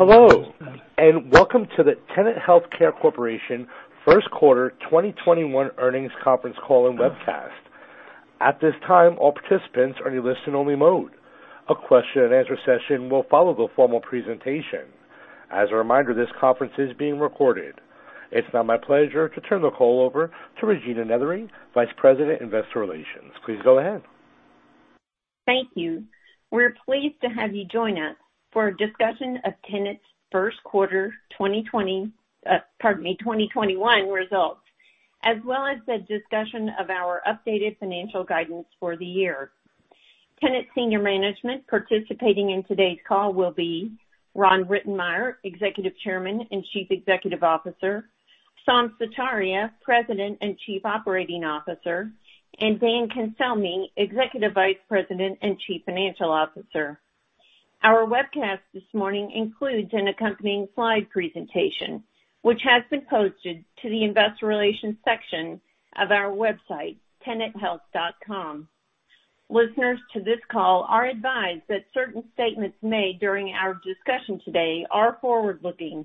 Hello, and welcome to the Tenet Healthcare Corporation first quarter 2021 earnings conference call and webcast. At this time, all participants are in listen only mode. A question and answer session will follow the formal presentation. As a reminder, this conference is being recorded. It's now my pleasure to turn the call over to Regina Nethery, Vice President, Investor Relations. Please go ahead. Thank you. We're pleased to have you join us for a discussion of Tenet's first quarter 2021 results, as well as a discussion of our updated financial guidance for the year. Tenet senior management participating in today's call will be Ron Rittenmeyer, Executive Chairman and Chief Executive Officer, Saum Sutaria, President and Chief Operating Officer, and Daniel Cancelmi, Executive Vice President and Chief Financial Officer. Our webcast this morning includes an accompanying slide presentation, which has been posted to the investor relations section of our website, tenethealth.com. Listeners to this call are advised that certain statements made during our discussion today are forward-looking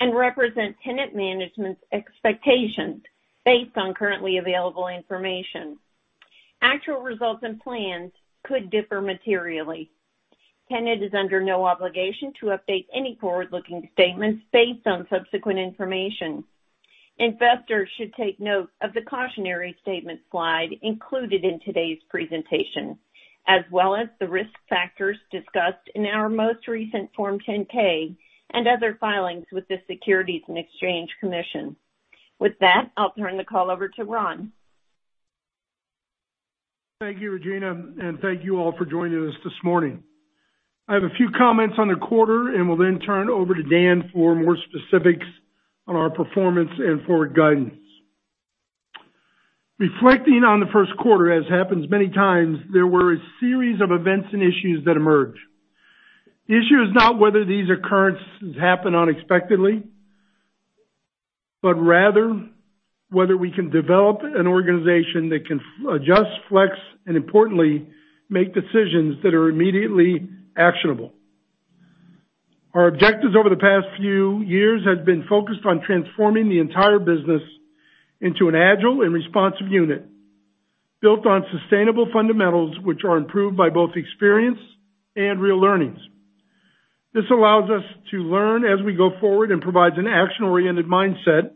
and represent Tenet management's expectations based on currently available information. Actual results and plans could differ materially. Tenet is under no obligation to update any forward-looking statements based on subsequent information. Investors should take note of the cautionary statement slide included in today's presentation, as well as the risk factors discussed in our most recent Form 10-K and other filings with the Securities and Exchange Commission. With that, I'll turn the call over to Ron. Thank you, Regina, and thank you all for joining us this morning. I have a few comments on the quarter and will then turn over to Dan for more specifics on our performance and forward guidance. Reflecting on the first quarter, as happens many times, there were a series of events and issues that emerged. The issue is not whether these occurrences happen unexpectedly, rather whether we can develop an organization that can adjust, flex, and importantly, make decisions that are immediately actionable. Our objectives over the past few years have been focused on transforming the entire business into an agile and responsive unit, built on sustainable fundamentals, which are improved by both experience and real learnings. This allows us to learn as we go forward and provides an action-oriented mindset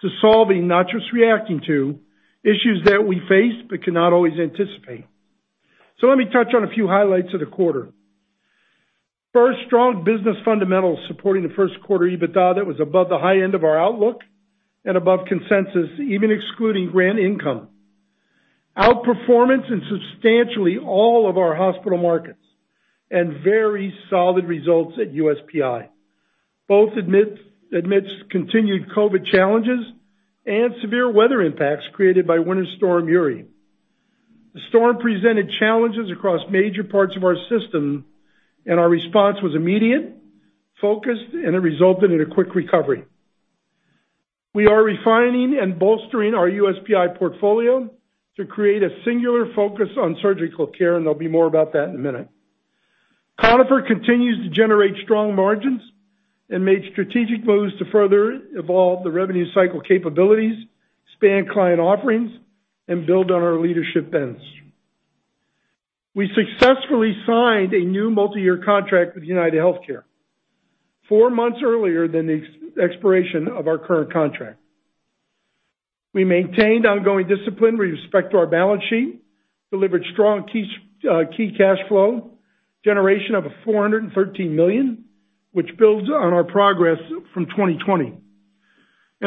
to solving, not just reacting to, issues that we face but cannot always anticipate. Let me touch on a few highlights of the quarter. First, strong business fundamentals supporting the first quarter EBITDA that was above the high end of our outlook and above consensus, even excluding grant income. Outperformance in substantially all of our hospital markets, and very solid results at USPI, both amidst continued COVID challenges and severe weather impacts created by Winter Storm Uri. The storm presented challenges across major parts of our system, and our response was immediate, focused, and it resulted in a quick recovery. We are refining and bolstering our USPI portfolio to create a singular focus on surgical care, and there'll be more about that in a minute. Conifer continues to generate strong margins and made strategic moves to further evolve the revenue cycle capabilities, expand client offerings, and build on our leadership bench. We successfully signed a new multi-year contract with UnitedHealthcare four months earlier than the expiration of our current contract. We maintained ongoing discipline with respect to our balance sheet, delivered strong key cash flow, generation of $413 million, which builds on our progress from 2020.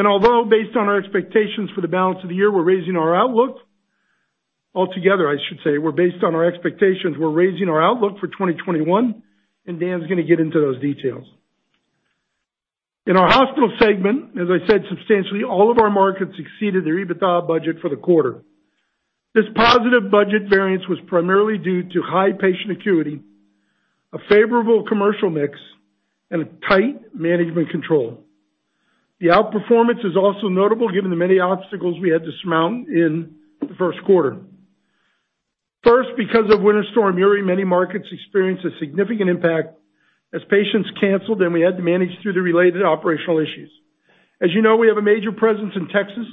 Although based on our expectations for the balance of the year, we're raising our outlook. Altogether, I should say. Based on our expectations, we're raising our outlook for 2021, Dan's going to get into those details. In our hospital segment, as I said, substantially all of our markets exceeded their EBITDA budget for the quarter. This positive budget variance was primarily due to high patient acuity, a favorable commercial mix, and tight management control. The outperformance is also notable given the many obstacles we had to surmount in the first quarter. Because of Winter Storm Uri, many markets experienced a significant impact as patients canceled, and we had to manage through the related operational issues. As you know, we have a major presence in Texas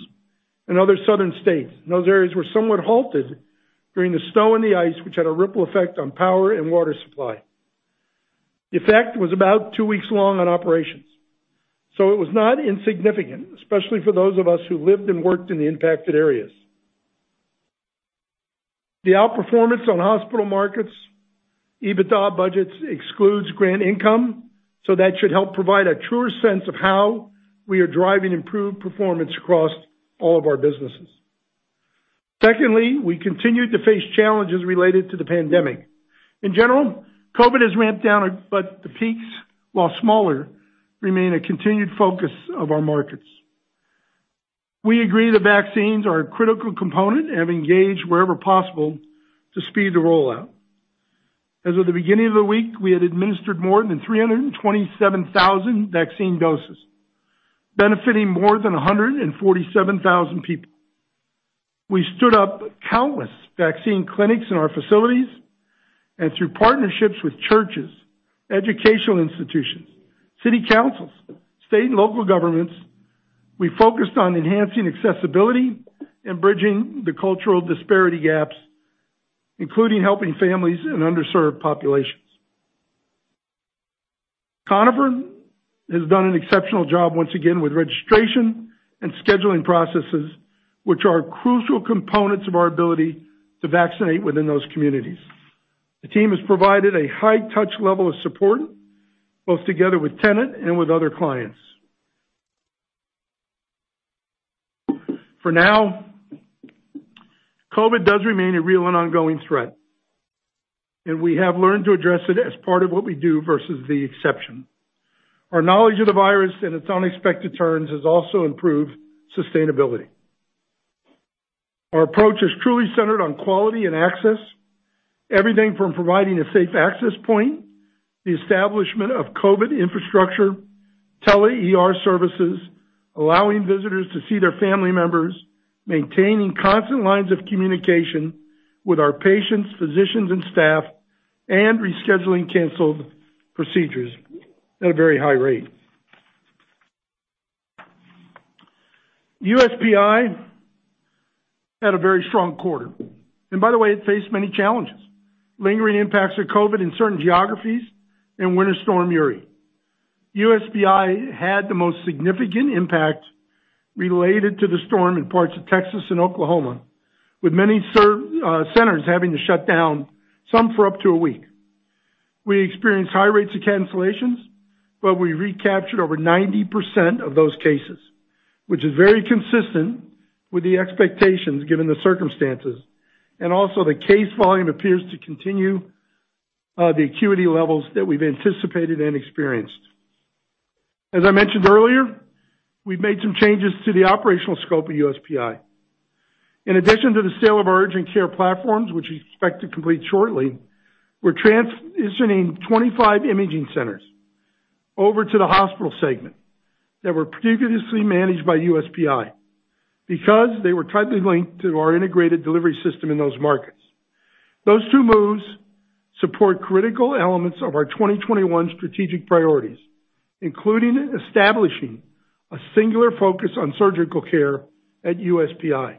and other southern states, those areas were somewhat halted during the snow and the ice, which had a ripple effect on power and water supply. The effect was about two weeks long on operations, it was not insignificant, especially for those of us who lived and worked in the impacted areas. The outperformance on hospital markets' EBITDA budgets excludes grant income, that should help provide a truer sense of how we are driving improved performance across all of our businesses. We continued to face challenges related to the pandemic. In general, COVID has ramped down, the peaks, while smaller, remain a continued focus of our markets. We agree that vaccines are a critical component and have engaged wherever possible to speed the rollout. As of the beginning of the week, we had administered more than 327,000 vaccine doses, benefiting more than 147,000 people. We stood up countless vaccine clinics in our facilities and through partnerships with churches, educational institutions, city councils, state and local governments. We focused on enhancing accessibility and bridging the cultural disparity gaps, including helping families in underserved populations. Conifer has done an exceptional job once again with registration and scheduling processes, which are crucial components of our ability to vaccinate within those communities. The team has provided a high touch level of support, both together with Tenet and with other clients. For now, COVID does remain a real and ongoing threat, and we have learned to address it as part of what we do versus the exception. Our knowledge of the virus and its unexpected turns has also improved sustainability. Our approach is truly centered on quality and access. Everything from providing a safe access point, the establishment of COVID infrastructure, tele-ER services, allowing visitors to see their family members, maintaining constant lines of communication with our patients, physicians, and staff, and rescheduling canceled procedures at a very high rate. USPI had a very strong quarter. By the way, it faced many challenges, lingering impacts of COVID in certain geographies and Winter Storm Uri. USPI had the most significant impact related to the storm in parts of Texas and Oklahoma, with many centers having to shut down, some for up to a week. We experienced high rates of cancellations. We recaptured over 90% of those cases, which is very consistent with the expectations given the circumstances. Also, the case volume appears to continue the acuity levels that we've anticipated and experienced. As I mentioned earlier, we've made some changes to the operational scope of USPI. In addition to the sale of our urgent care platforms, which we expect to complete shortly, we're transitioning 25 imaging centers over to the hospital segment that were previously managed by USPI because they were tightly linked to our integrated delivery system in those markets. Those two moves support critical elements of our 2021 strategic priorities, including establishing a singular focus on surgical care at USPI.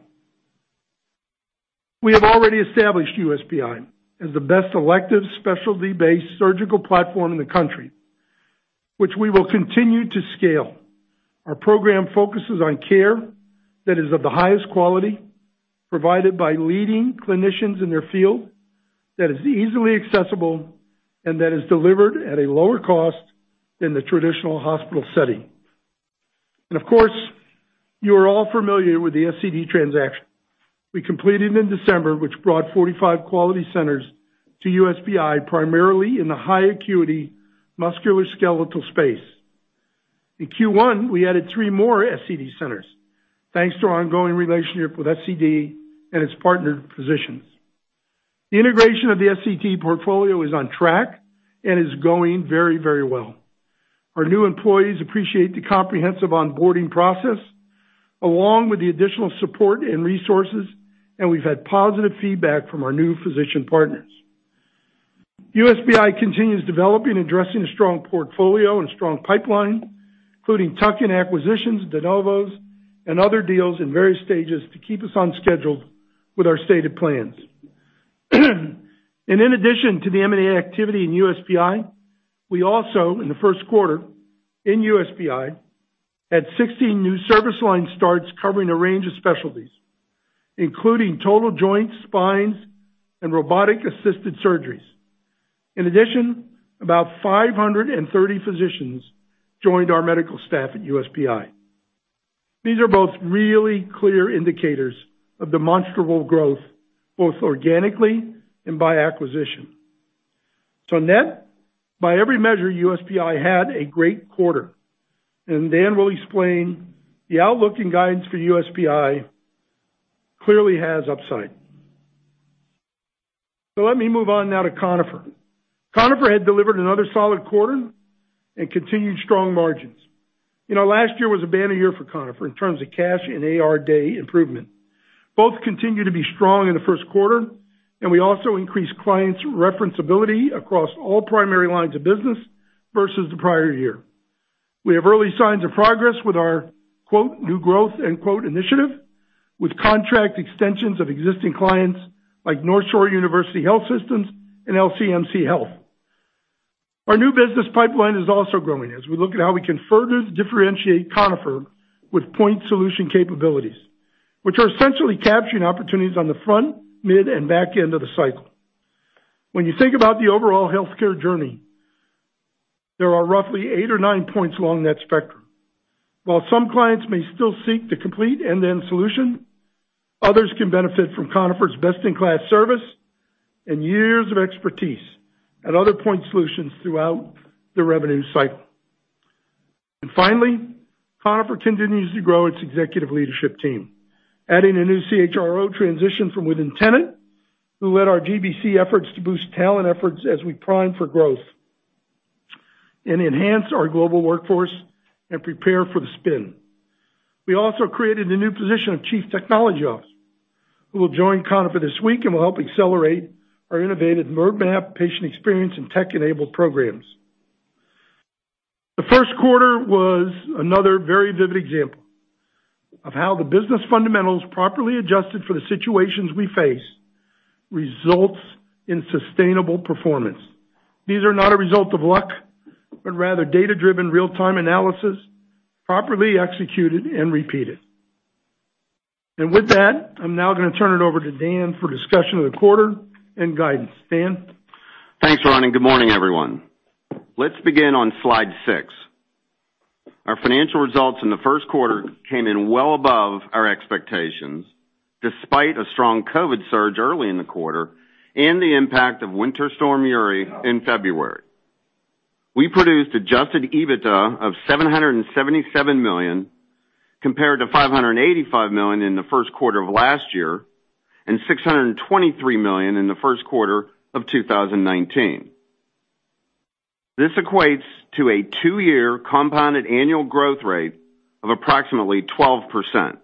We have already established USPI as the best elective specialty-based surgical platform in the country, which we will continue to scale. Our program focuses on care that is of the highest quality, provided by leading clinicians in their field, that is easily accessible, and that is delivered at a lower cost than the traditional hospital setting. Of course, you are all familiar with the SCD transaction we completed in December, which brought 45 quality centers to USPI, primarily in the high acuity musculoskeletal space. In Q1, we added three more SCD centers, thanks to our ongoing relationship with SCD and its partnered physicians. The integration of the SCD portfolio is on track and is going very well. Our new employees appreciate the comprehensive onboarding process, along with the additional support and resources, and we've had positive feedback from our new physician partners. USPI continues developing and addressing a strong portfolio and strong pipeline, including tuck-in acquisitions, de novos, and other deals in various stages to keep us on schedule with our stated plans. In addition to the M&A activity in USPI, we also, in the first quarter in USPI, had 16 new service line starts covering a range of specialties, including total joints, spines, and robotic-assisted surgeries. In addition, about 530 physicians joined our medical staff at USPI. These are both really clear indicators of demonstrable growth, both organically and by acquisition. Net, by every measure, USPI had a great quarter. Dan will explain the outlook and guidance for USPI clearly has upside. Let me move on now to Conifer. Conifer had delivered another solid quarter and continued strong margins. Last year was a banner year for Conifer in terms of cash and AR day improvement. Both continue to be strong in the first quarter, and we also increased clients' reference ability across all primary lines of business versus the prior year. We have early signs of progress with our new growth initiative with contract extensions of existing clients like NorthShore University HealthSystem and LCMC Health. Our new business pipeline is also growing as we look at how we can further differentiate Conifer with point solution capabilities, which are essentially capturing opportunities on the front, mid, and back end of the cycle. When you think about the overall healthcare journey, there are roughly eight or nine points along that spectrum. While some clients may still seek the complete end-to-end solution, others can benefit from Conifer's best-in-class service and years of expertise at other point solutions throughout the revenue cycle. Finally, Conifer continues to grow its executive leadership team, adding a new CHRO transition from within Tenet, who led our GBC efforts to boost talent efforts as we prime for growth and enhance our global workforce and prepare for the spin. We also created a new position of Chief Technology Officer, who will join Conifer this week and will help accelerate our innovative Nearmap patient experience and tech-enabled programs. The first quarter was another very vivid example of how the business fundamentals properly adjusted for the situations we face, results in sustainable performance. These are not a result of luck, but rather data-driven real-time analysis, properly executed and repeated. With that, I'm now going to turn it over to Dan for discussion of the quarter and guidance. Dan? Thanks, Ron. Good morning, everyone. Let's begin on slide six. Our financial results in the first quarter came in well above our expectations, despite a strong COVID surge early in the quarter and the impact of Winter Storm Uri in February. We produced adjusted EBITDA of $777 million compared to $585 million in the first quarter of last year, and $623 million in the first quarter of 2019. This equates to a two-year compounded annual growth rate of approximately 12%.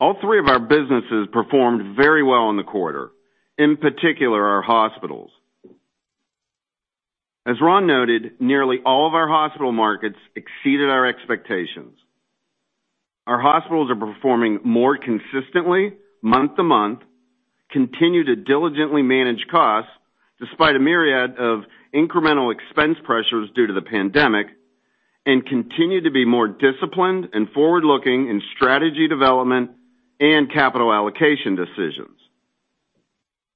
All three of our businesses performed very well in the quarter, in particular, our hospitals. As Ron noted, nearly all of our hospital markets exceeded our expectations. Our hospitals are performing more consistently month to month, continue to diligently manage costs despite a myriad of incremental expense pressures due to the pandemic, and continue to be more disciplined and forward-looking in strategy development and capital allocation decisions.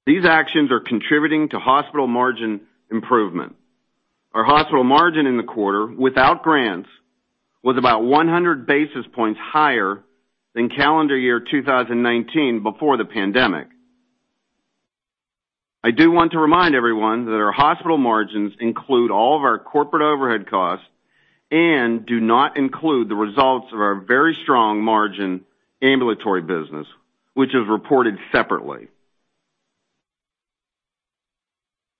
These actions are contributing to hospital margin improvement. Our hospital margin in the quarter, without grants, was about 100 basis points higher than calendar year 2019 before the pandemic. I do want to remind everyone that our hospital margins include all of our corporate overhead costs and do not include the results of our very strong margin ambulatory business, which is reported separately.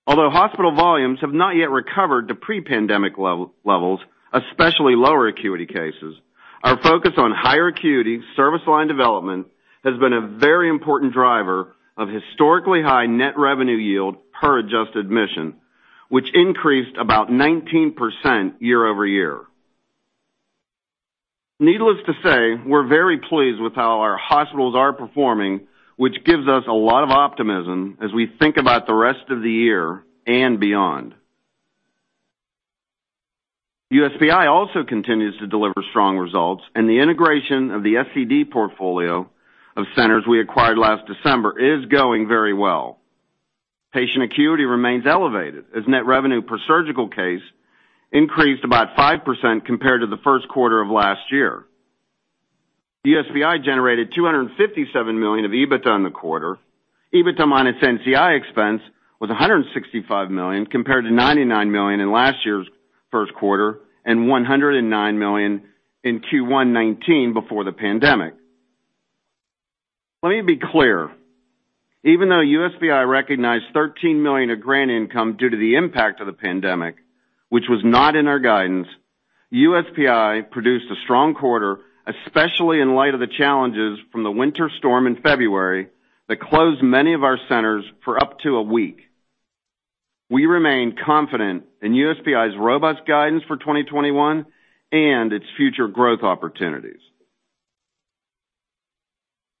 Although hospital volumes have not yet recovered to pre-pandemic levels, especially lower acuity cases, our focus on higher acuity service line development has been a very important driver of historically high net revenue yield per adjusted admission, which increased about 19% year-over-year. Needless to say, we're very pleased with how our hospitals are performing, which gives us a lot of optimism as we think about the rest of the year and beyond. USPI also continues to deliver strong results, and the integration of the SCD portfolio of centers we acquired last December is going very well. Patient acuity remains elevated as net revenue per surgical case increased about 5% compared to the first quarter of last year. USPI generated $257 million of EBITDA in the quarter. EBITDA minus NCI expense was $165 million compared to $99 million in last year's first quarter and $109 million in Q1 2019 before the pandemic. Let me be clear. Even though USPI recognized $13 million of grant income due to the impact of the pandemic, which was not in our guidance, USPI produced a strong quarter, especially in light of the challenges from the winter storm in February that closed many of our centers for up to a week. We remain confident in USPI's robust guidance for 2021 and its future growth opportunities.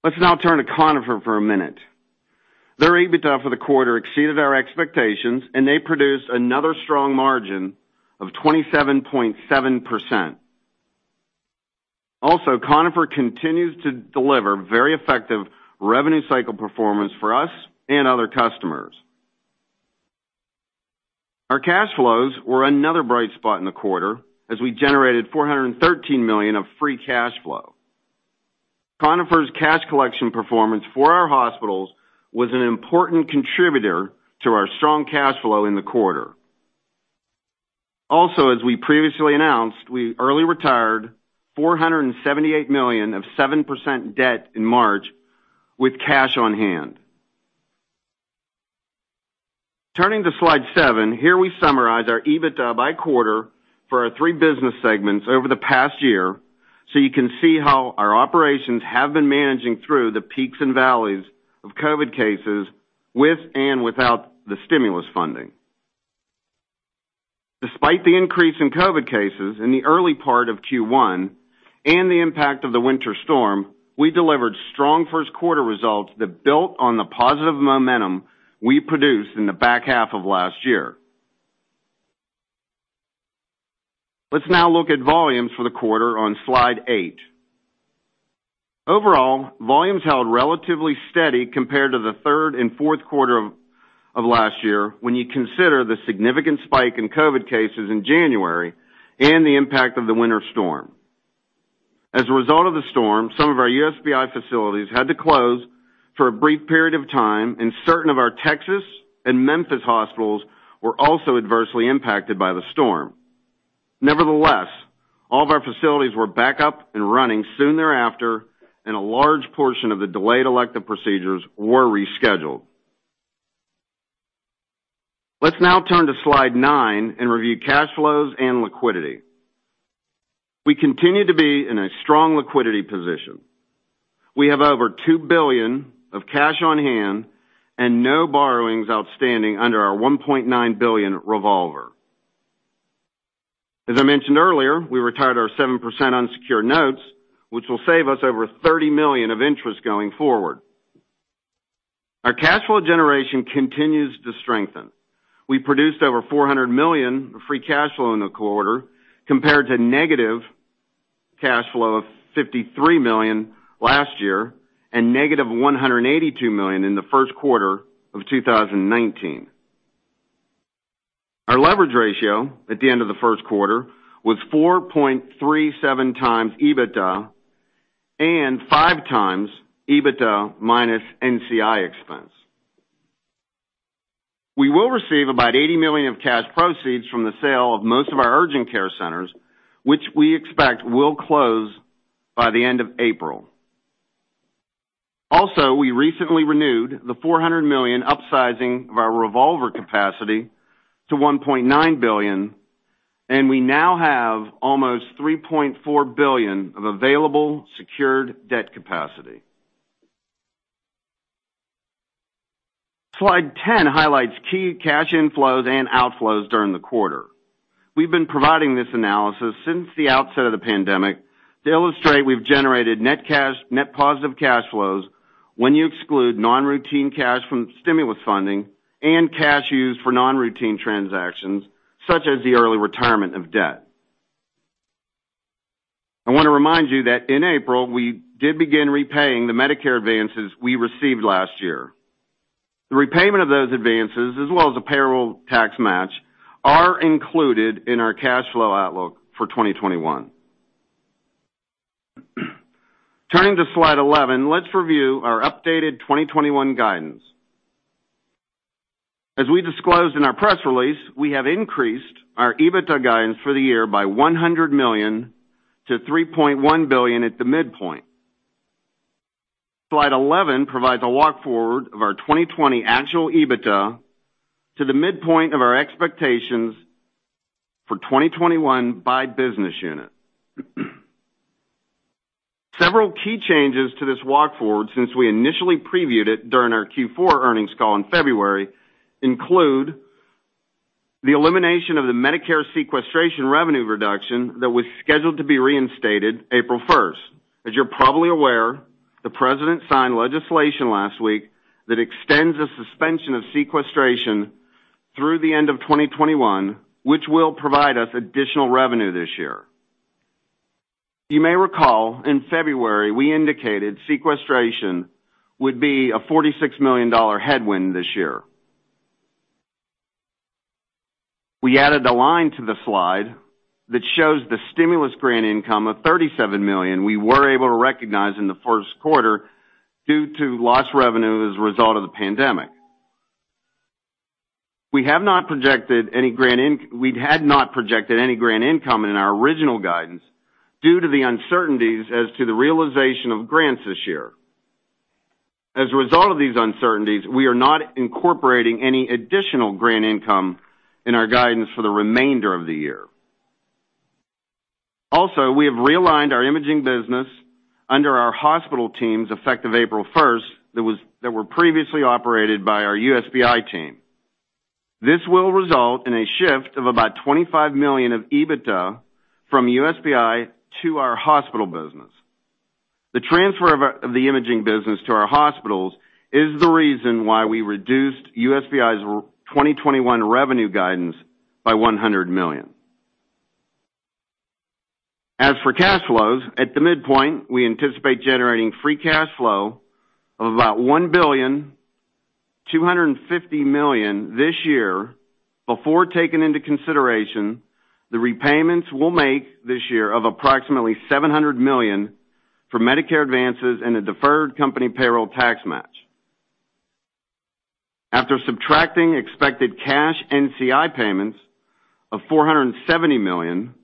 Let's now turn to Conifer for a minute. Their EBITDA for the quarter exceeded our expectations, and they produced another strong margin of 27.7%. Conifer continues to deliver very effective revenue cycle performance for us and other customers. Our cash flows were another bright spot in the quarter as we generated $413 million of free cash flow. Conifer's cash collection performance for our hospitals was an important contributor to our strong cash flow in the quarter. As we previously announced, we early retired $478 million of 7% debt in March with cash on hand. Turning to slide seven, here we summarize our EBITDA by quarter for our three business segments over the past year you can see how our operations have been managing through the peaks and valleys of COVID cases with and without the stimulus funding. Despite the increase in COVID cases in the early part of Q1 and the impact of the Winter Storm, we delivered strong first quarter results that built on the positive momentum we produced in the back half of last year. Let's now look at volumes for the quarter on slide eight. Overall, volumes held relatively steady compared to the third and fourth quarter of last year when you consider the significant spike in COVID cases in January and the impact of the Winter Storm. As a result of the storm, some of our USPI facilities had to close for a brief period of time, and certain of our Texas and Memphis hospitals were also adversely impacted by the storm. Nevertheless, all of our facilities were back up and running soon thereafter, and a large portion of the delayed elective procedures were rescheduled. Let's now turn to Slide nine and review cash flows and liquidity. We continue to be in a strong liquidity position. We have over $2 billion of cash on hand and no borrowings outstanding under our $1.9 billion revolver. As I mentioned earlier, we retired our 7% unsecured notes, which will save us over $30 million of interest going forward. Our cash flow generation continues to strengthen. We produced over $400 million of free cash flow in the quarter compared to negative cash flow of $53 million last year and negative $182 million in the first quarter of 2019. Our leverage ratio at the end of the first quarter was 4.37x EBITDA and 5 EBITDA minus NCI expense. We will receive about $80 million of cash proceeds from the sale of most of our urgent care centers, which we expect will close by the end of April. We recently renewed the $400 million upsizing of our revolver capacity to $1.9 billion, and we now have almost $3.4 billion of available secured debt capacity. Slide 10 highlights key cash inflows and outflows during the quarter. We've been providing this analysis since the outset of the pandemic to illustrate we've generated net positive cash flows when you exclude non-routine cash from stimulus funding and cash used for non-routine transactions, such as the early retirement of debt. I want to remind you that in April, we did begin repaying the Medicare advances we received last year. The repayment of those advances, as well as the payroll tax match, are included in our cash flow outlook for 2021. Turning to Slide 11, let's review our updated 2021 guidance. As we disclosed in our press release, we have increased our EBITDA guidance for the year by $100 million to $3.1 billion at the midpoint. Slide 11 provides a walk forward of our 2020 actual EBITDA to the midpoint of our expectations for 2021 by business unit. Several key changes to this walk forward since we initially previewed it during our Q4 earnings call in February include the elimination of the Medicare sequestration revenue reduction that was scheduled to be reinstated April 1st. As you're probably aware, the President signed legislation last week that extends the suspension of sequestration through the end of 2021, which will provide us additional revenue this year. You may recall, in February, we indicated sequestration would be a $46 million headwind this year. We added a line to the slide that shows the stimulus grant income of $37 million we were able to recognize in the first quarter due to lost revenue as a result of the pandemic. We had not projected any grant income in our original guidance due to the uncertainties as to the realization of grants this year. As a result of these uncertainties, we are not incorporating any additional grant income in our guidance for the remainder of the year. We have realigned our imaging business under our hospital teams effective April 1st, that were previously operated by our USPI team. This will result in a shift of about $25 million of EBITDA from USPI to our hospital business. The transfer of the imaging business to our hospitals is the reason why we reduced USPI's 2021 revenue guidance by $100 million. As for cash flows, at the midpoint, we anticipate generating free cash flow of about $1,250 million this year before taking into consideration the repayments we'll make this year of approximately $700 million for Medicare advances and a deferred company payroll tax match. After subtracting expected cash NCI payments of $470 million,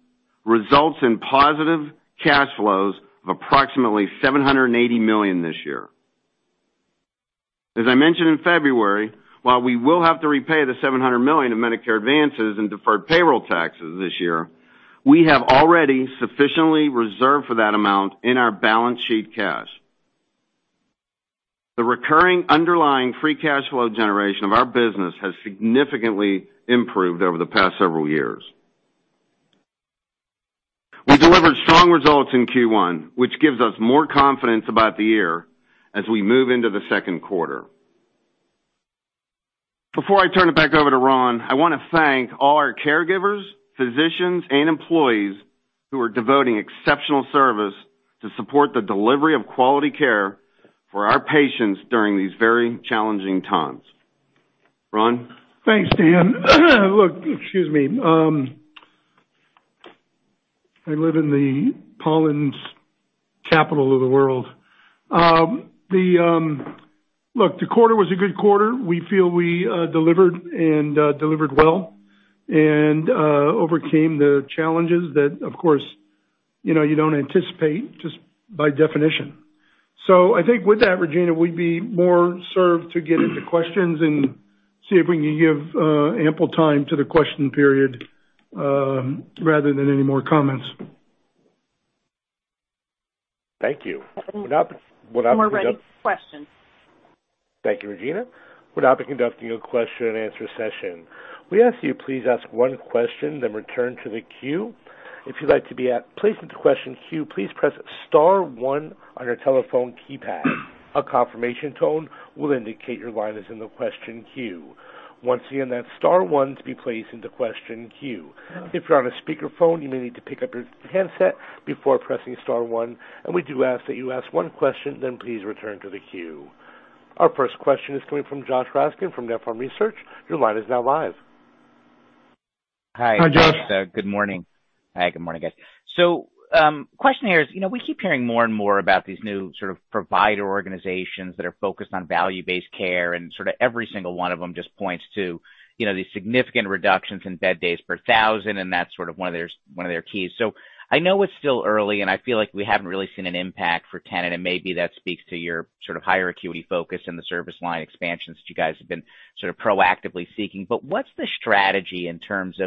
results in positive cash flows of approximately $780 million this year. As I mentioned in February, while we will have to repay the $700 million of Medicare advances in deferred payroll taxes this year, we have already sufficiently reserved for that amount in our balance sheet cash. The recurring underlying free cash flow generation of our business has significantly improved over the past several years. We delivered strong results in Q1, which gives us more confidence about the year as we move into the second quarter. Before I turn it back over to Ron, I want to thank all our caregivers, physicians, and employees who are devoting exceptional service to support the delivery of quality care for our patients during these very challenging times. Ron? Thanks, Dan. Look, excuse me. I live in the pollens capital of the world. Look, the quarter was a good quarter. We feel we delivered and delivered well and overcame the challenges that, of course, you don't anticipate just by definition. I think with that, Regina, we'd be more served to get into questions and see if we can give ample time to the question period rather than any more comments. Thank you. We're ready for questions. Thank you, Regina. We're now conducting a question and answer session. We ask you please ask one question, then return to the queue. If you'd like to be placed into question queue, please press star 1 on your telephone keypad. A confirmation tone will indicate your line is in the question queue. Once again, that's star 1 to be placed into question queue. If you're on a speakerphone, you may need to pick up your handset before pressing star 1, and we do ask that you ask one question, then please return to the queue. Our first question is coming from Josh Raskin from Nephron Research. Your line is now live. Hi, Josh. Hi, good morning, guys. Question here is, we keep hearing more and more about these new sort of provider organizations that are focused on value-based care, and sort of every single one of them just points to these significant reductions in bed days per thousand, and that's sort of one of their keys. I know it's still early, and I feel like we haven't really seen an impact for Tenet, and maybe that speaks to your sort of higher acuity focus and the service line expansions that you guys have been sort of proactively seeking. What's the strategy in terms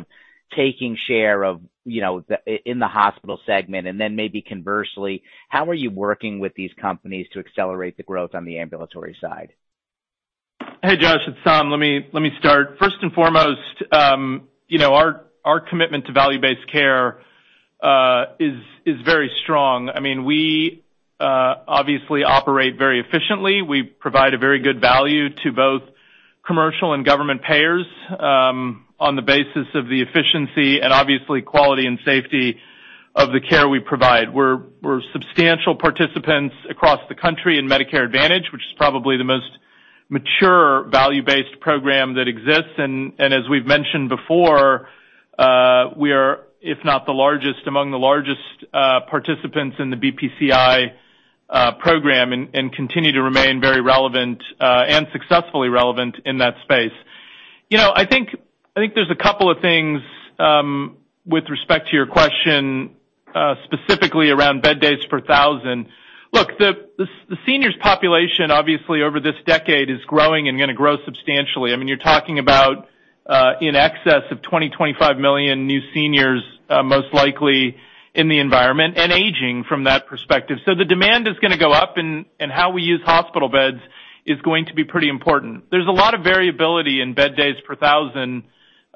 of taking share in the hospital segment? Maybe conversely, how are you working with these companies to accelerate the growth on the ambulatory side? Hey, Josh, it's Saum. Let me start. First and foremost, our commitment to value-based care is very strong. I mean, we obviously operate very efficiently. We provide a very good value to both commercial and government payers, on the basis of the efficiency and obviously quality and safety of the care we provide. We're substantial participants across the country in Medicare Advantage, which is probably the most mature value-based program that exists. As we've mentioned before, we are, if not the largest, among the largest participants in the BPCI program and continue to remain very relevant and successfully relevant in that space. I think there's a couple of things with respect to your question, specifically around bed days per 1,000. Look, the seniors population, obviously, over this decade is growing and going to grow substantially. I mean, you're talking about in excess of 20, 25 million new seniors most likely in the environment and aging from that perspective. The demand is going to go up, and how we use hospital beds is going to be pretty important. There's a lot of variability in bed days per thousand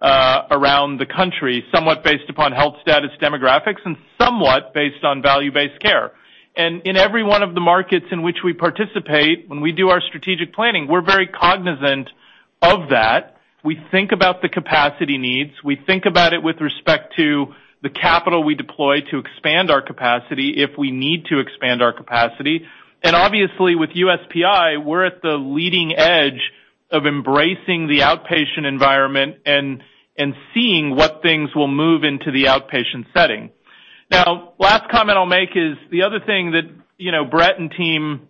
around the country, somewhat based upon health status demographics, and somewhat based on value-based care. In every one of the markets in which we participate, when we do our strategic planning, we're very cognizant of that. We think about the capacity needs. We think about it with respect to the capital we deploy to expand our capacity, if we need to expand our capacity. Obviously, with USPI, we're at the leading edge of embracing the outpatient environment and seeing what things will move into the outpatient setting. Last comment I'll make is the other thing that Brett and team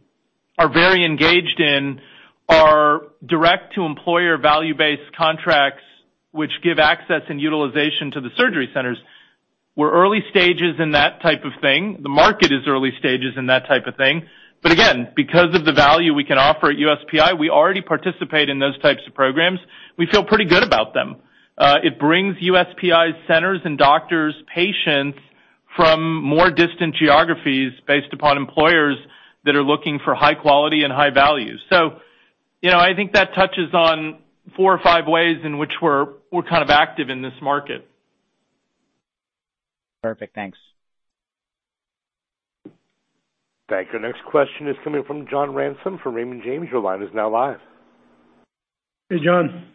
are very engaged in are direct-to-employer value-based contracts which give access and utilization to the surgery centers. We're early stages in that type of thing. The market is early stages in that type of thing. Again, because of the value we can offer at USPI, we already participate in those types of programs. We feel pretty good about them. It brings USPI centers and doctors patients from more distant geographies based upon employers that are looking for high quality and high value. I think that touches on four or five ways in which we're kind of active in this market. Perfect. Thanks. Thank you. Next question is coming from John Ransom from Raymond James. Your line is now live. Hey, John.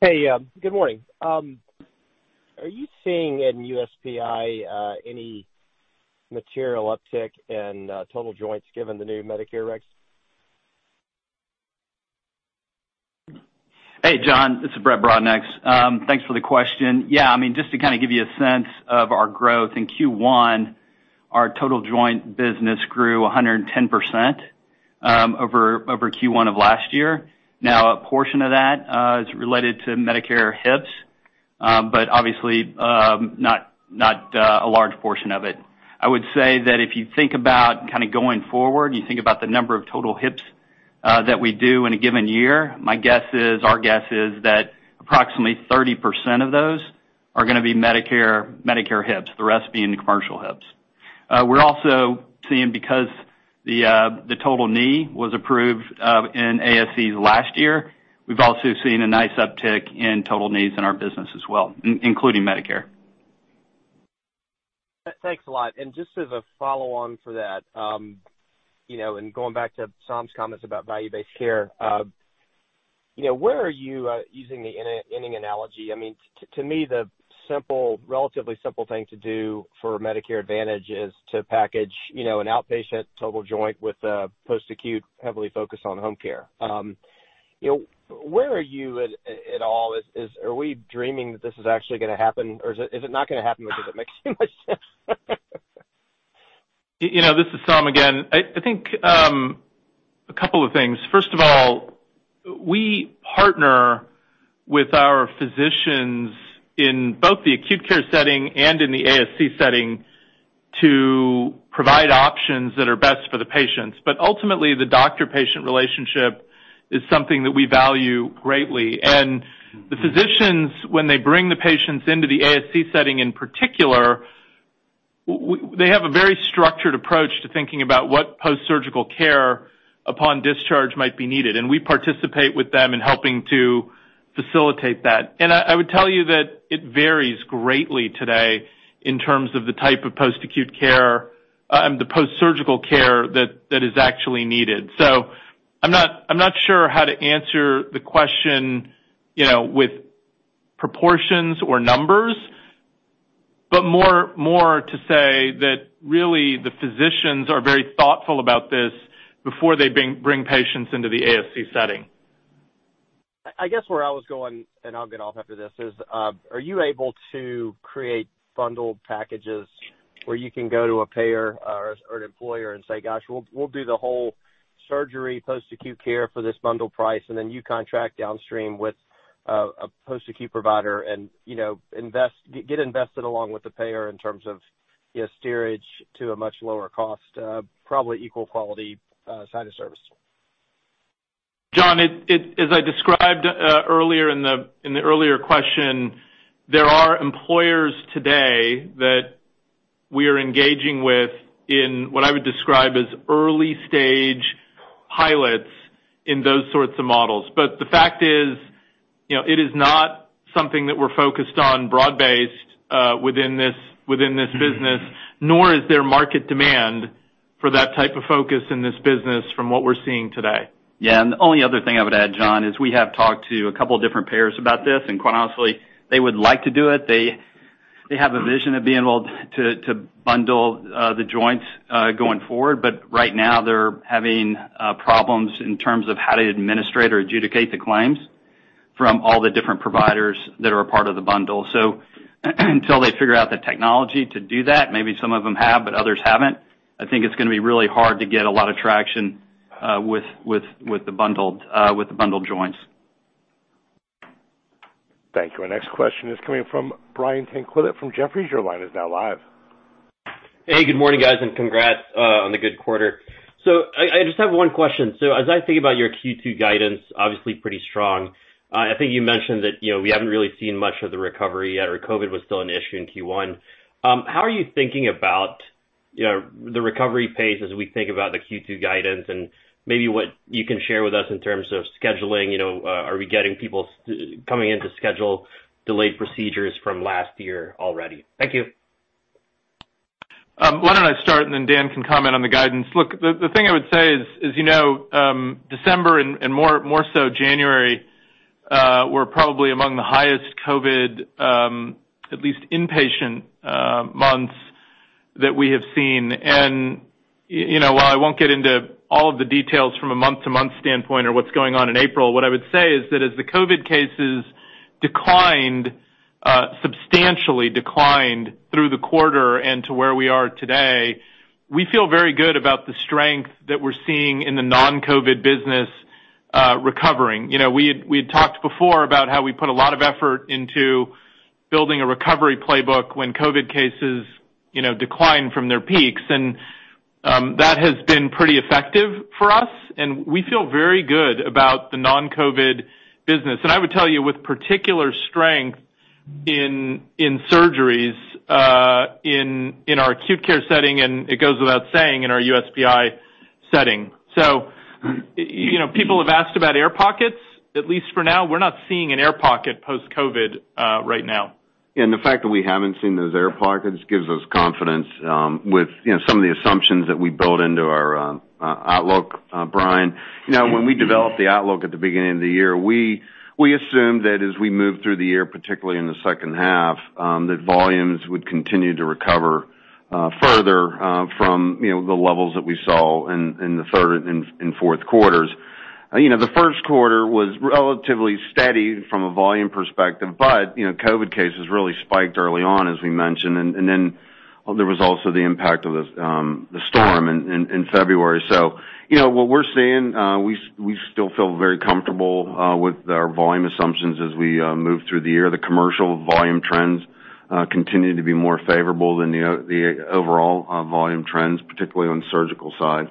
Hey, good morning. Are you seeing in USPI any material uptick in total joints given the new Medicare regs? Hey, John, this is Brett Brodnax. Thanks for the question. Yeah, I mean, just to kind of give you a sense of our growth in Q1, our total joint business grew 110% over Q1 of last year. A portion of that is related to Medicare hips. Obviously, not a large portion of it. I would say that if you think about kind of going forward, you think about the number of total hips that we do in a given year, our guess is that approximately 30% of those are going to be Medicare hips, the rest being the commercial hips. We're also seeing because the total knee was approved in ASC last year, we've also seen a nice uptick in total knees in our business as well, including Medicare. Thanks a lot. Just as a follow-on for that, and going back to Saum's comments about value-based care, where are you using the inning analogy? I mean, to me, the relatively simple thing to do for Medicare Advantage is to package an outpatient total joint with a post-acute heavily focused on home care. Where are you at all? Are we dreaming that this is actually going to happen, or is it not going to happen because it makes too much sense? This is Saum again. I think a couple of things. First of all, we partner with our physicians in both the acute care setting and in the ASC setting to provide options that are best for the patients. Ultimately, the doctor-patient relationship is something that we value greatly. The physicians, when they bring the patients into the ASC setting in particular, they have a very structured approach to thinking about what post-surgical care upon discharge might be needed. We participate with them in helping to facilitate that. I would tell you that it varies greatly today in terms of the type of post-surgical care that is actually needed. I'm not sure how to answer the question with proportions or numbers, but more to say that really the physicians are very thoughtful about this before they bring patients into the ASC setting. I guess where I was going, and I'll get off after this, is are you able to create bundled packages where you can go to a payer or an employer and say, "Gosh, we'll do the whole surgery post-acute care for this bundled price, and then you contract downstream with a post-acute provider and get invested along with the payer in terms of steerage to a much lower cost, probably equal quality side of service? John, as I described earlier in the earlier question, there are employers today that we are engaging with in what I would describe as early-stage pilots in those sorts of models. The fact is, it is not something that we're focused on broad-based within this business, nor is there market demand for that type of focus in this business from what we're seeing today. Yeah, the only other thing I would add, John, is we have talked to a couple of different payers about this. Quite honestly, they would like to do it. They have a vision of being able to bundle the joints going forward. Right now they're having problems in terms of how to administrate or adjudicate the claims from all the different providers that are a part of the bundle. Until they figure out the technology to do that, maybe some of them have, others haven't, I think it's going to be really hard to get a lot of traction with the bundled joints. Thank you. Our next question is coming from Brian Tanquilut from Jefferies. Your line is now live. Good morning, guys, and congrats on the good quarter. I just have one question. As I think about your Q2 guidance, obviously pretty strong. I think you mentioned that we haven't really seen much of the recovery yet, or COVID was still an issue in Q1. How are you thinking about the recovery pace as we think about the Q2 guidance and maybe what you can share with us in terms of scheduling? Are we getting people coming in to schedule delayed procedures from last year already? Thank you. Why don't I start, and then Dan can comment on the guidance. Look, the thing I would say is December and more so January, were probably among the highest COVID, at least inpatient, months that we have seen. While I won't get into all of the details from a month-to-month standpoint or what's going on in April, what I would say is that as the COVID cases declined, substantially declined, through the quarter and to where we are today, we feel very good about the strength that we're seeing in the non-COVID business recovering. We had talked before about how we put a lot of effort into building a recovery playbook when COVID cases declined from their peaks, and that has been pretty effective for us, and we feel very good about the non-COVID business. I would tell you with particular strength in surgeries, in our acute care setting, and it goes without saying, in our USPI setting. People have asked about air pockets. At least for now, we're not seeing an air pocket post-COVID right now. The fact that we haven't seen those air pockets gives us confidence with some of the assumptions that we built into our outlook, Brian. When we developed the outlook at the beginning of the year, we assumed that as we moved through the year, particularly in the second half, that volumes would continue to recover further from the levels that we saw in the third and fourth quarters. The first quarter was relatively steady from a volume perspective, but COVID cases really spiked early on, as we mentioned. There was also the impact of the storm in February. What we're seeing, we still feel very comfortable with our volume assumptions as we move through the year. The commercial volume trends continue to be more favorable than the overall volume trends, particularly on the surgical side.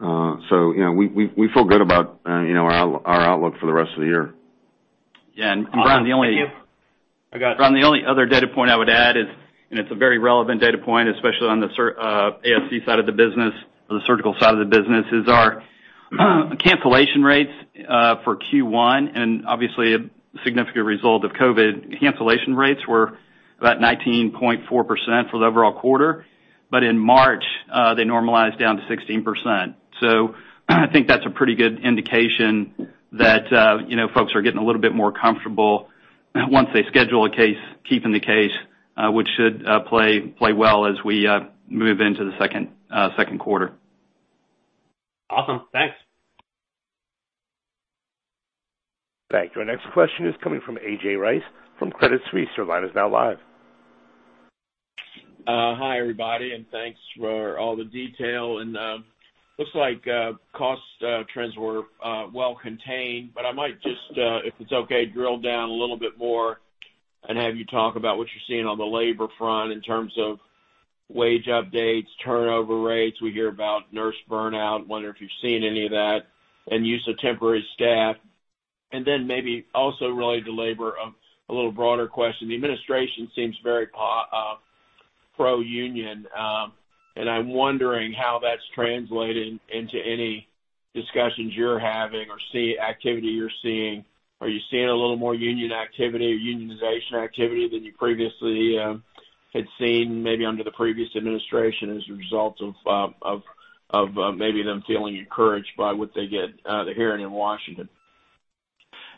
We feel good about our outlook for the rest of the year. Yeah. Brian. Thank you. I got it. Brian, the only other data point I would add is, and it's a very relevant data point, especially on the ASC side of the business or the surgical side of the business, is our cancellation rates for Q1, and obviously, a significant result of COVID cancellation rates were about 19.4% for the overall quarter. In March, they normalized down to 16%. I think that's a pretty good indication that folks are getting a little bit more comfortable Once they schedule a case, keeping the case, which should play well as we move into the second quarter. Awesome. Thanks. Thank you. Our next question is coming from A.J. Rice from Credit Suisse. Your line is now live. Hi, everybody, and thanks for all the detail. Looks like cost trends were well contained, but I might just, if it's okay, drill down a little bit more and have you talk about what you're seeing on the labor front in terms of wage updates, turnover rates. We hear about nurse burnout. Wondering if you've seen any of that, and use of temporary staff? Then maybe also related to labor, a little broader question. The administration seems very pro-union, and I'm wondering how that's translating into any discussions you're having or activity you're seeing. Are you seeing a little more union activity or unionization activity than you previously had seen, maybe under the previous administration as a result of maybe them feeling encouraged by what they're hearing in Washington?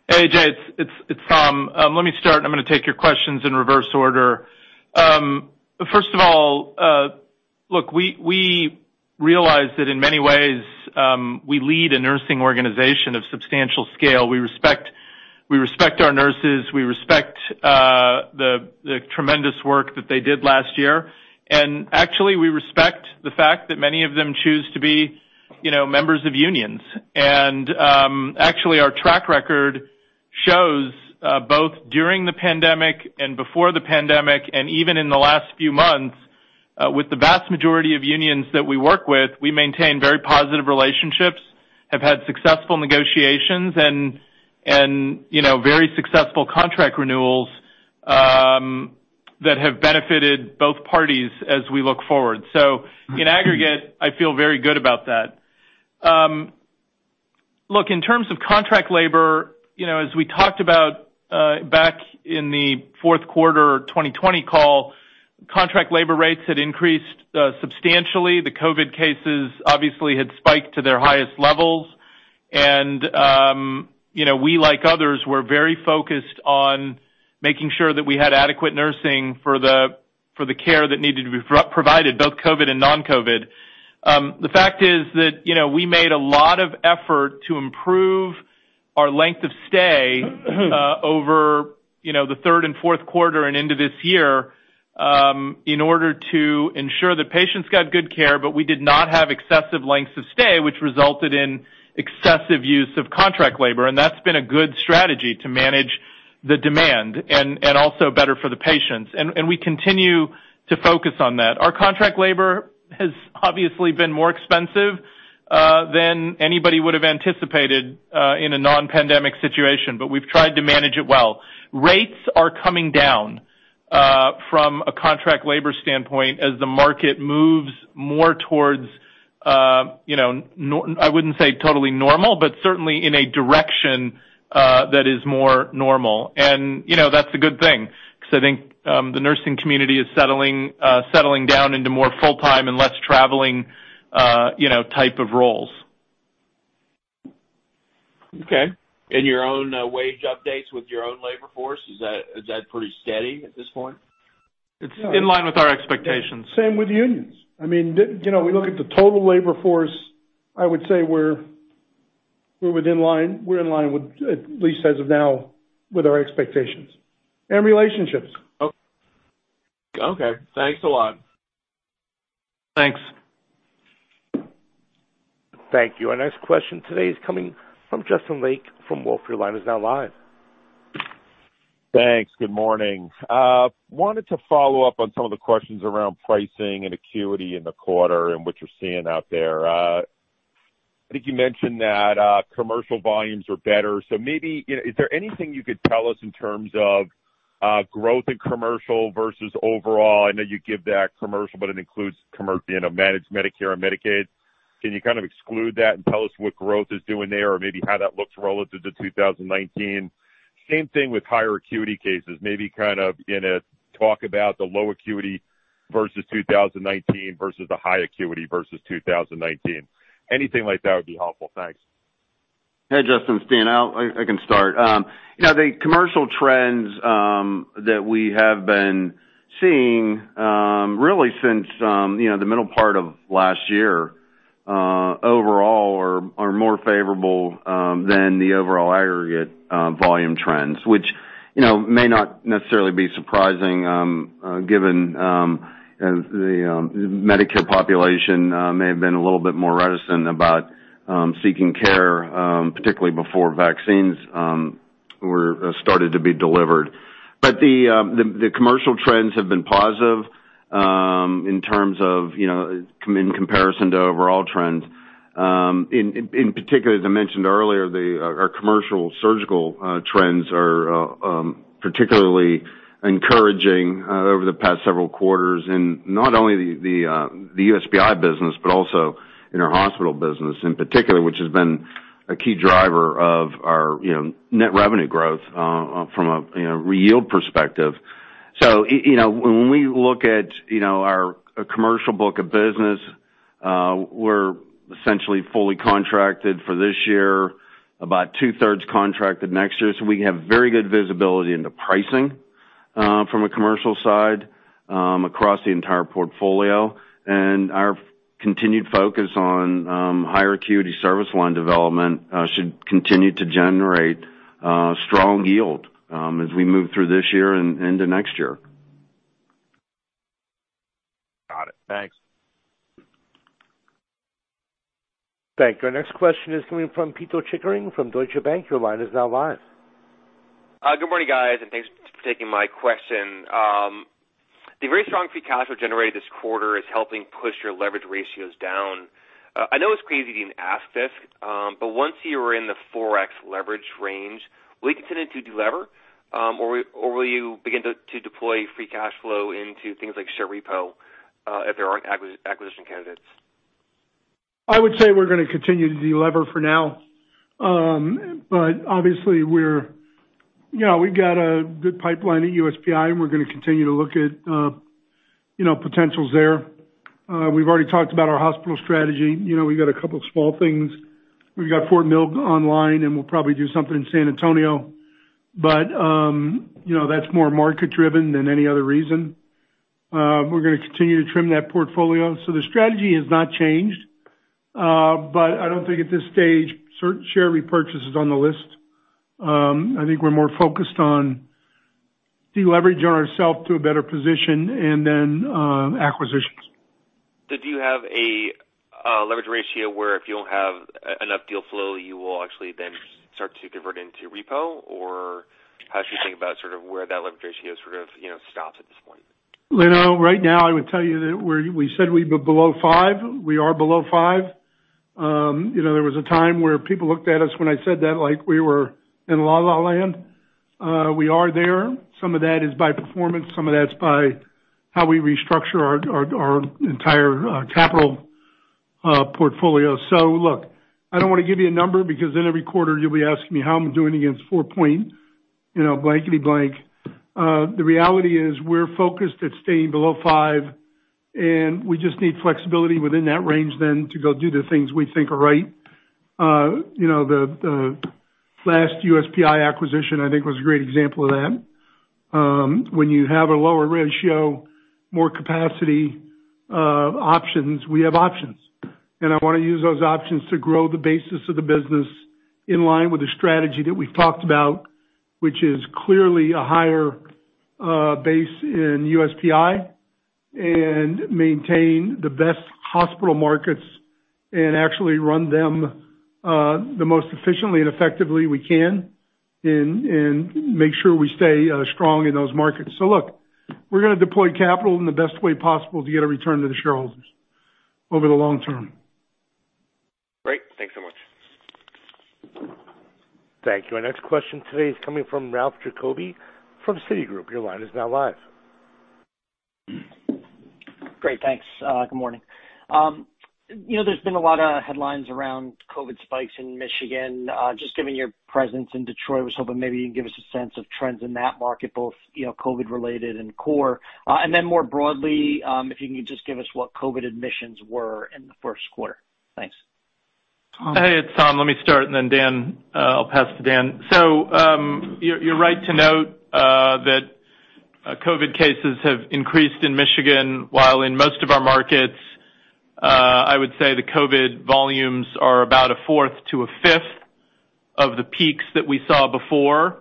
Hey, A.J., it's Saum. Let me start, I'm going to take your questions in reverse order. First of all, look, we realize that in many ways, we lead a nursing organization of substantial scale. We respect our nurses. We respect the tremendous work that they did last year. Actually, we respect the fact that many of them choose to be members of unions. Actually, our track record shows, both during the pandemic and before the pandemic, and even in the last few months, with the vast majority of unions that we work with, we maintain very positive relationships, have had successful negotiations and very successful contract renewals that have benefited both parties as we look forward. In aggregate, I feel very good about that. In terms of contract labor, as we talked about back in the fourth quarter 2020 call, contract labor rates had increased substantially. The COVID cases obviously had spiked to their highest levels and we, like others, were very focused on making sure that we had adequate nursing for the care that needed to be provided, both COVID and non-COVID. The fact is that we made a lot of effort to improve our length of stay over the third and fourth quarter and into this year, in order to ensure that patients got good care. We did not have excessive lengths of stay, which resulted in excessive use of contract labor. That's been a good strategy to manage the demand and also better for the patients. We continue to focus on that. Our contract labor has obviously been more expensive, than anybody would have anticipated in a non-pandemic situation, but we've tried to manage it well. Rates are coming down, from a contract labor standpoint as the market moves more towards, I wouldn't say totally normal, but certainly in a direction that is more normal. That's a good thing because I think the nursing community is settling down into more full-time and less traveling type of roles. Okay. In your own wage updates with your own labor force, is that pretty steady at this point? It's in line with our expectations. Same with unions. We look at the total labor force, I would say we're in line with, at least as of now, with our expectations and relationships. Okay. Thanks a lot. Thanks. Thank you. Our next question today is coming from Justin Lake from Wolfe. Thanks. Good morning. Wanted to follow up on some of the questions around pricing and acuity in the quarter and what you're seeing out there. I think you mentioned that commercial volumes are better. Maybe, is there anything you could tell us in terms of growth in commercial versus overall? I know you give that commercial, but it includes managed Medicare and Medicaid. Can you kind of exclude that and tell us what growth is doing there or maybe how that looks relative to 2019? Same thing with higher acuity cases. Maybe kind of in a talk about the low acuity versus 2019 versus the high acuity versus 2019. Anything like that would be helpful. Thanks. Hey, Justin. It's Dan, I can start. The commercial trends that we have been seeing, really since the middle part of last year, overall are more favorable than the overall aggregate volume trends, which may not necessarily be surprising given the Medicare population may have been a little bit more reticent about seeking care, particularly before vaccines started to be delivered. The commercial trends have been positive in terms of in comparison to overall trends. In particular, as I mentioned earlier, our commercial surgical trends are particularly encouraging over the past several quarters in not only the USPI business, but also in our hospital business in particular, which has been a key driver of our net revenue growth from a yield perspective. When we look at our commercial book of business, we're essentially fully contracted for this year, about two-thirds contracted next year. We have very good visibility into pricing from a commercial side across the entire portfolio. Our continued focus on higher acuity service line development should continue to generate strong yield as we move through this year and into next year. Got it. Thanks. Thank you. Our next question is coming from Pito Chickering from Deutsche Bank. Your line is now live. Good morning, guys, and thanks for taking my question. The very strong free cash flow generated this quarter is helping push your leverage ratios down. I know it's crazy to even ask this, but once you are in the 4x leverage range, will you continue to delever, or will you begin to deploy free cash flow into things like share repo, if there aren't acquisition candidates? I would say we're going to continue to delever for now. Obviously, we've got a good pipeline at USPI, and we're going to continue to look at potentials there. We've already talked about our hospital strategy. We've got a couple of small things. We've got Fort Mill online, and we'll probably do something in San Antonio. That's more market-driven than any other reason. We're going to continue to trim that portfolio. The strategy has not changed. I don't think at this stage share repurchase is on the list. I think we're more focused on deleveraging ourself to a better position and then acquisitions. Do you have a leverage ratio where if you don't have enough deal flow, you will actually then start to convert into repo? How should you think about where that leverage ratio stops at this point? Right now, I would tell you that we said we'd be below five. We are below five. There was a time where people looked at us when I said that like we were in la la land. We are there. Some of that is by performance, some of that's by how we restructure our entire capital portfolio. Look, I don't want to give you a number because then every quarter you'll be asking me how I'm doing against four point blankety blank. The reality is we're focused at staying below five, and we just need flexibility within that range then to go do the things we think are right. The last USPI acquisition, I think, was a great example of that. When you have a lower ratio, more capacity options, we have options. I want to use those options to grow the basis of the business in line with the strategy that we've talked about, which is clearly a higher base in USPI, and maintain the best hospital markets and actually run them the most efficiently and effectively we can and make sure we stay strong in those markets. Look, we're going to deploy capital in the best way possible to get a return to the shareholders over the long term. Great. Thanks so much. Thank you. Our next question today is coming from Ralph Giacobbe from Citigroup. Your line is now live. Great. Thanks. Good morning. There's been a lot of headlines around COVID spikes in Michigan. Just given your presence in Detroit, I was hoping maybe you can give us a sense of trends in that market, both COVID-related and core. More broadly, if you can just give us what COVID admissions were in the first quarter. Thanks. Hey, it's Saum. Let me start, and then I'll pass it to Dan. You're right to note that COVID cases have increased in Michigan, while in most of our markets, I would say the COVID volumes are about a fourth to a fifth of the peaks that we saw before.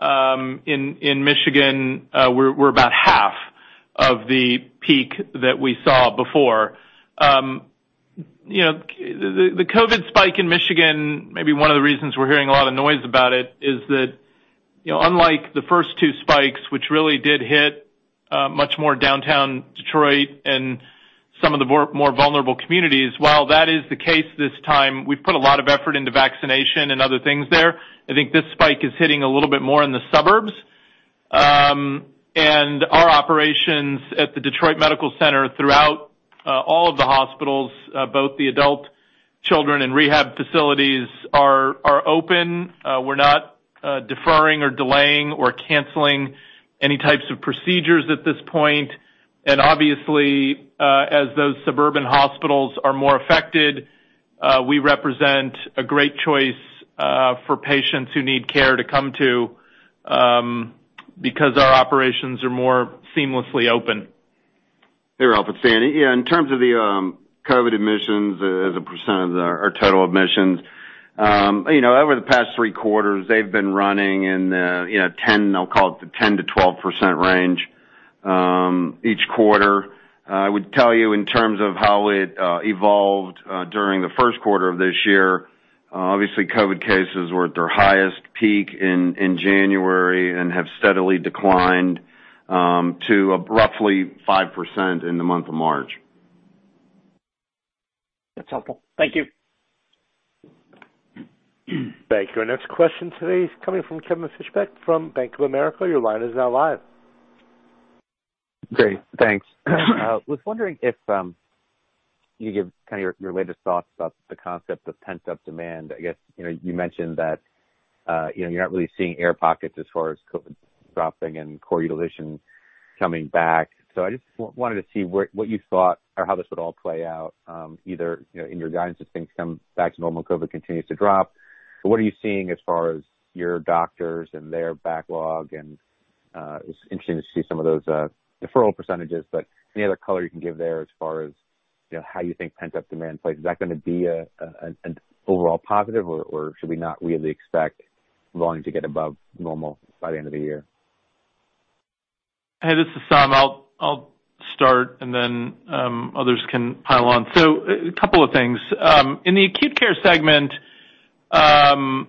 In Michigan, we're about half of the peak that we saw before. The COVID spike in Michigan, maybe one of the reasons we're hearing a lot of noise about it is that unlike the first two spikes, which really did hit much more downtown Detroit and some of the more vulnerable communities, while that is the case this time, we've put a lot of effort into vaccination and other things there. I think this spike is hitting a little bit more in the suburbs. Our operations at the Detroit Medical Center throughout all of the hospitals, both the adult, children, and rehab facilities are open. We're not deferring or delaying or canceling any types of procedures at this point. Obviously, as those suburban hospitals are more affected, we represent a great choice for patients who need care to come to because our operations are more seamlessly open. Hey, Ralph, it's Dan. Yeah, in terms of the COVID admissions as a percent of our total admissions, over the past three quarters, they've been running in the 10, I'll call it the 10 to 12% range each quarter. I would tell you in terms of how it evolved during the first quarter of this year, obviously COVID cases were at their highest peak in January and have steadily declined to roughly 5% in the month of March. That's helpful. Thank you. Thank you. Our next question today is coming from Kevin Fischbeck from Bank of America. Your line is now live. Great. Thanks. Can you give your latest thoughts about the concept of pent-up demand? I guess, you mentioned that you're not really seeing air pockets as far as COVID dropping and core utilization coming back. I just wanted to see what you thought or how this would all play out, either in your guidance as things come back to normal, COVID continues to drop. What are you seeing as far as your doctors and their backlog? It was interesting to see some of those deferral %, but any other color you can give there as far as how you think pent-up demand plays. Is that going to be an overall positive, or should we not really expect volume to get above normal by the end of the year? Hey, this is Saum. I'll start and then others can pile on. A couple of things. In the acute care segment, I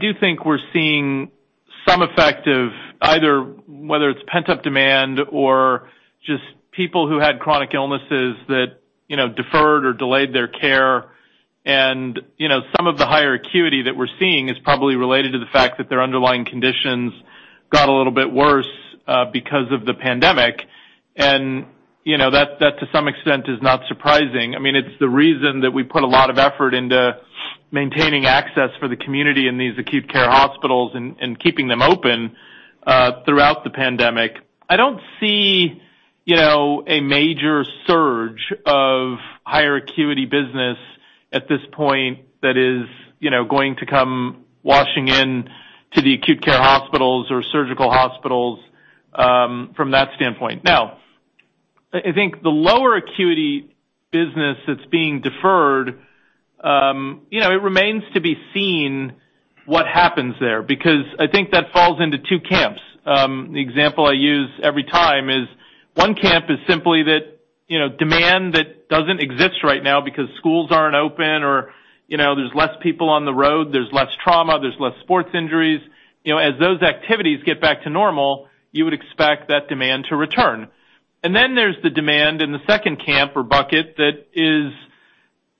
do think we're seeing some effect of either whether it's pent-up demand or just people who had chronic illnesses that deferred or delayed their care. Some of the higher acuity that we're seeing is probably related to the fact that their underlying conditions got a little bit worse because of the pandemic. That, to some extent, is not surprising. It's the reason that we put a lot of effort into maintaining access for the community in these acute care hospitals and keeping them open throughout the pandemic. I don't see a major surge of higher acuity business at this point that is going to come washing in to the acute care hospitals or surgical hospitals from that standpoint. I think the lower acuity business that's being deferred, it remains to be seen what happens there, because I think that falls into two camps. The example I use every time is one camp is simply that demand that doesn't exist right now because schools aren't open or there's less people on the road. There's less trauma, there's less sports injuries. As those activities get back to normal, you would expect that demand to return. Then there's the demand in the second camp or bucket that is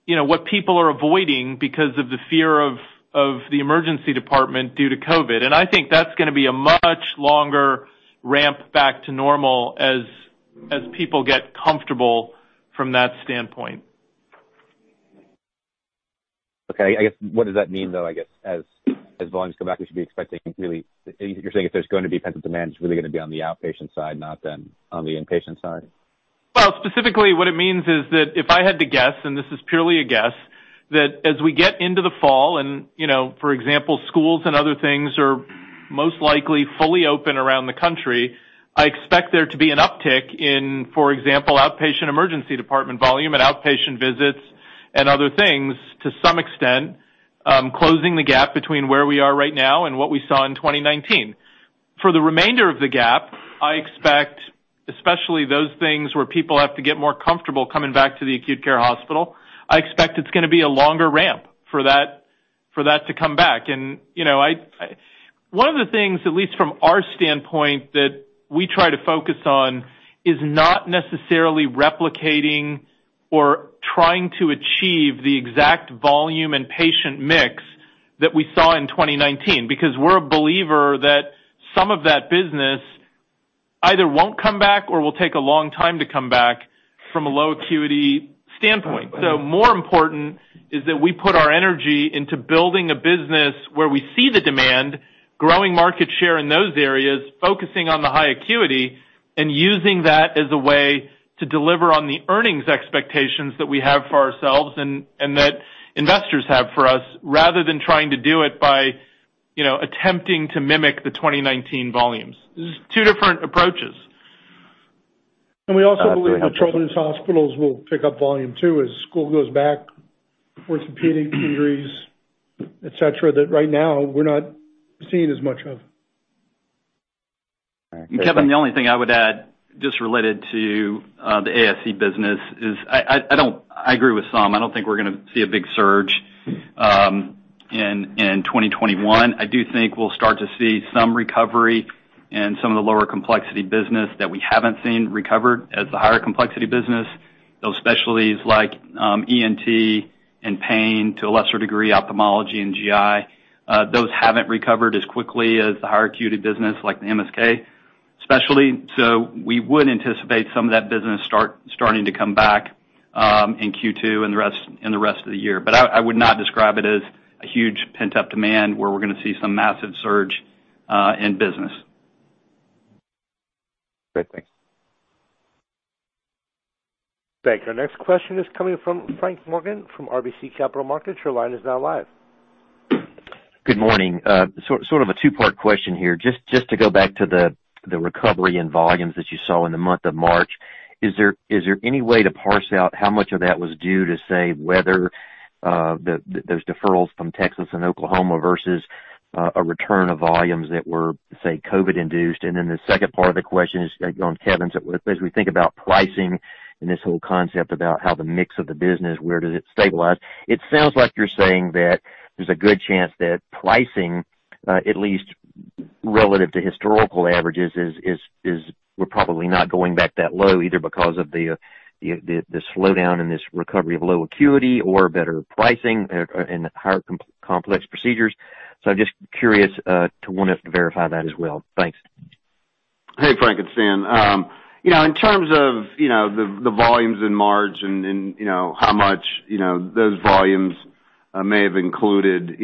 what people are avoiding because of the fear of the emergency department due to COVID. I think that's going to be a much longer ramp back to normal as people get comfortable from that standpoint. Okay. I guess, what does that mean, though? I guess as volumes come back, we should be expecting really, you're saying if there's going to be pent-up demand, it's really going to be on the outpatient side, not then on the inpatient side? Well, specifically, what it means is that if I had to guess, and this is purely a guess, that as we get into the fall and, for example, schools and other things are most likely fully open around the country, I expect there to be an uptick in, for example, outpatient emergency department volume and outpatient visits and other things to some extent, closing the gap between where we are right now and what we saw in 2019. For the remainder of the gap, I expect, especially those things where people have to get more comfortable coming back to the acute care hospital, I expect it's going to be a longer ramp for that to come back. One of the things, at least from our standpoint, that we try to focus on is not necessarily replicating or trying to achieve the exact volume and patient mix that we saw in 2019, because we're a believer that some of that business either won't come back or will take a long time to come back from a low acuity standpoint. More important is that we put our energy into building a business where we see the demand, growing market share in those areas, focusing on the high acuity, and using that as a way to deliver on the earnings expectations that we have for ourselves and that investors have for us, rather than trying to do it by attempting to mimic the 2019 volumes. This is two different approaches. We also believe that children's hospitals will pick up volume, too, as school goes back, orthopedic injuries, et cetera, that right now we're not seeing as much of. All right. Kevin, the only thing I would add, just related to the ASC business is, I agree with Saum. I don't think we're going to see a big surge in 2021. I do think we'll start to see some recovery in some of the lower complexity business that we haven't seen recover as the higher complexity business. Those specialties like ENT and pain, to a lesser degree, ophthalmology and GI, those haven't recovered as quickly as the higher acuity business like the MSK specialty. We would anticipate some of that business starting to come back in Q2 and the rest of the year. I would not describe it as a huge pent-up demand where we're going to see some massive surge in business. Great. Thanks. Thanks. Our next question is coming from Frank Morgan from RBC Capital Markets. Your line is now live. Good morning. Sort of a two-part question here. Just to go back to the recovery in volumes that you saw in the month of March, is there any way to parse out how much of that was due to, say, weather, those deferrals from Texas and Oklahoma versus a return of volumes that were, say, COVID induced? The second part of the question is on Kevin's. As we think about pricing and this whole concept about how the mix of the business, where does it stabilize, it sounds like you're saying that there's a good chance that pricing, at least relative to historical averages, we're probably not going back that low either because of the slowdown in this recovery of low acuity or better pricing in higher complex procedures. I'm just curious, want us to verify that as well. Thanks. Hey, Frank, it's Dan. In terms of the volumes in March and how much those volumes may have included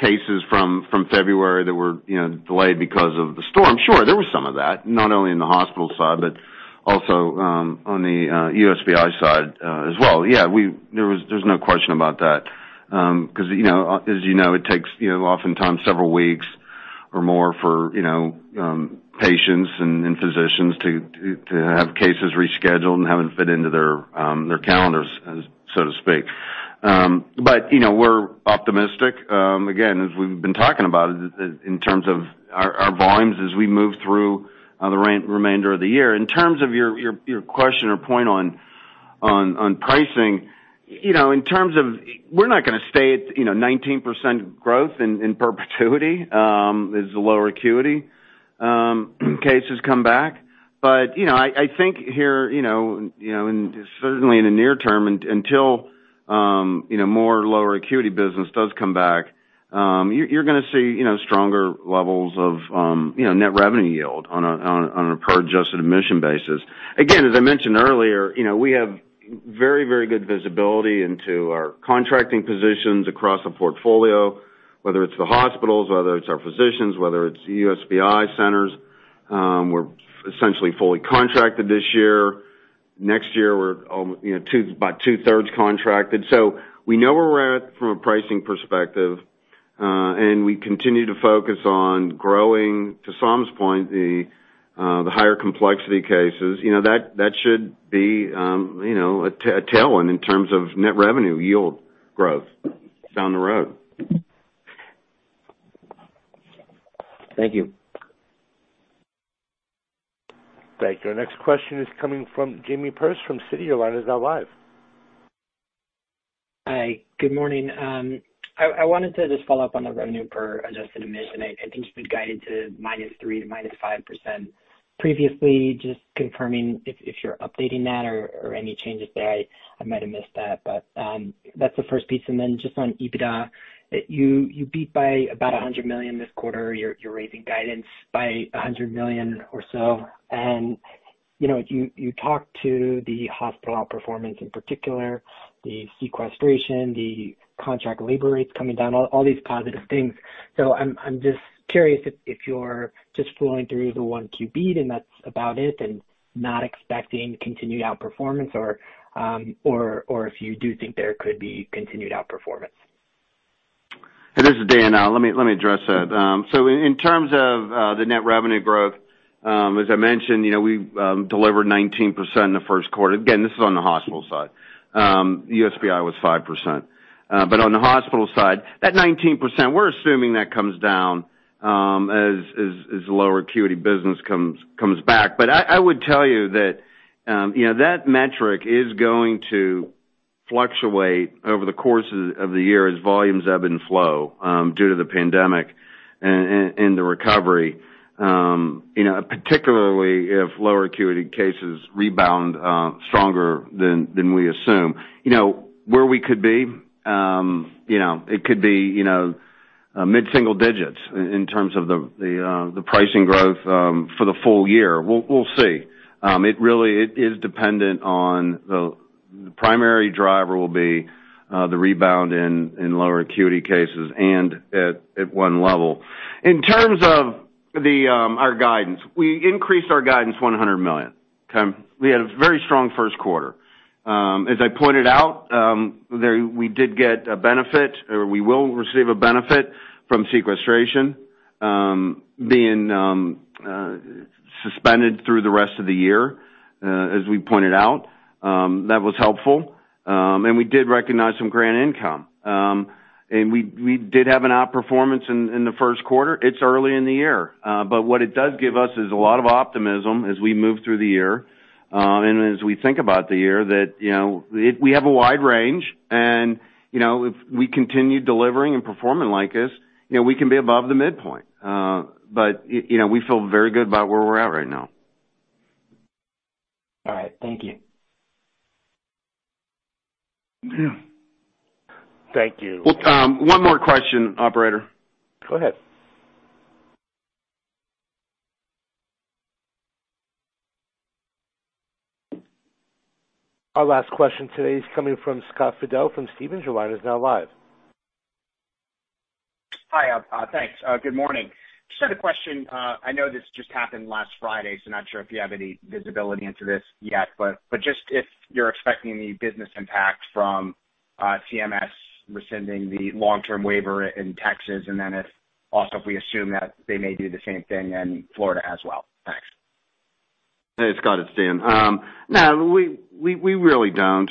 cases from February that were delayed because of the storm. Sure, there was some of that, not only in the hospital side, but also on the USPI side as well. Yeah, there's no question about that. Because, as you know, it takes oftentimes several weeks or more for patients and physicians to have cases rescheduled and have them fit into their calendars, so to speak. We're optimistic, again, as we've been talking about it, in terms of our volumes as we move through the remainder of the year. In terms of your question or point on pricing, we're not going to stay at 19% growth in perpetuity, as the lower acuity cases come back. I think here, certainly in the near term, until more lower acuity business does come back, you're going to see stronger levels of net revenue yield on a per adjusted admission basis. Again, as I mentioned earlier, we have very good visibility into our contracting positions across the portfolio, whether it's the hospitals, whether it's our physicians, whether it's USPI centers. We're essentially fully contracted this year. Next year, we're about two-thirds contracted. We know where we're at from a pricing perspective, and we continue to focus on growing, to Saum's point, the higher complexity cases. That should be a tailwind in terms of net revenue yield growth down the road. Thank you. Thank you. Our next question is coming from Jamie Perse from Goldman Sachs. Your line is now live. Hi, good morning. I wanted to just follow up on the revenue per adjusted admission. I think you've been guided to minus three% to minus five% previously. Just confirming if you're updating that or any changes there. I might have missed that. That's the first piece. Just on EBITDA. You beat by about $100 million this quarter. You're raising guidance by $100 million or so. You talked to the hospital outperformance, in particular, the sequestration, the contract labor rates coming down, all these positive things. I'm just curious if you're just flowing through the 1Q beat and that's about it, and not expecting continued outperformance, or if you do think there could be continued outperformance. This is Dan. Let me address that. In terms of the net revenue growth, as I mentioned, we delivered 19% in the first quarter. Again, this is on the hospital side. USPI was 5%. On the hospital side, that 19%, we're assuming that comes down as lower acuity business comes back. I would tell you that that metric is going to fluctuate over the course of the year as volumes ebb and flow due to the pandemic and the recovery, particularly if lower acuity cases rebound stronger than we assume. Where we could be? It could be mid-single digits in terms of the pricing growth for the full year. We'll see. The primary driver will be the rebound in lower acuity cases and at one level. In terms of our guidance, we increased our guidance $100 million. We had a very strong first quarter. As I pointed out, we did get a benefit, or we will receive a benefit from sequestration being suspended through the rest of the year, as we pointed out. That was helpful. We did recognize some grant income. We did have an outperformance in the first quarter. It's early in the year. What it does give us is a lot of optimism as we move through the year, and as we think about the year, that we have a wide range, and if we continue delivering and performing like this, we can be above the midpoint. We feel very good about where we're at right now. All right. Thank you. Thank you. One more question, operator. Go ahead. Our last question today is coming from Scott Fidel from Stephens. Your line is now live. Hi. Thanks. Good morning. Just had a question. I know this just happened last Friday, so I'm not sure if you have any visibility into this yet, just if you're expecting any business impact from CMS rescinding the long-term waiver in Texas, also if we assume that they may do the same thing in Florida as well. Thanks. Hey, Scott, it's Dan. No, we really don't.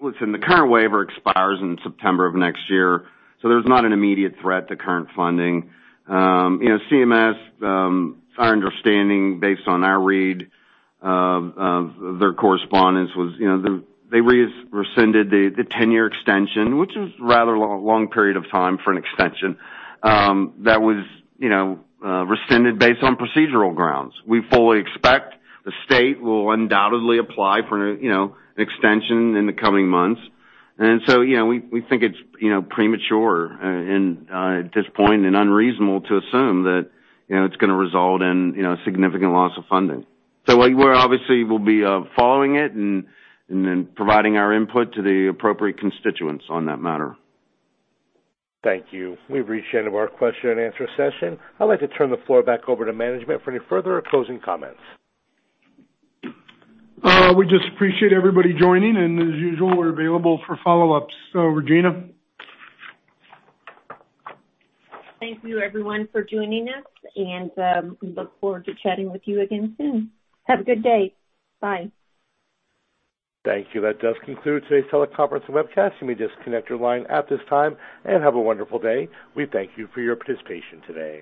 Listen, the current waiver expires in September of next year, so there's not an immediate threat to current funding. CMS, our understanding, based on our read of their correspondence, was they rescinded the 10-year extension, which is a rather long period of time for an extension. That was rescinded based on procedural grounds. We fully expect the state will undoubtedly apply for an extension in the coming months. We think it's premature at this point and unreasonable to assume that it's going to result in a significant loss of funding. We obviously will be following it and then providing our input to the appropriate constituents on that matter. Thank you. We've reached the end of our question and answer session. I'd like to turn the floor back over to management for any further closing comments. We just appreciate everybody joining, and as usual, we're available for follow-ups. Regina? Thank you everyone for joining us. We look forward to chatting with you again soon. Have a good day. Bye. Thank you. That does conclude today's teleconference and webcast. You may disconnect your line at this time, and have a wonderful day. We thank you for your participation today.